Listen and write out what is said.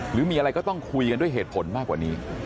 หรือมีอะไรก็ต้องคุยกันด้วยเหตุผลมากกว่านี้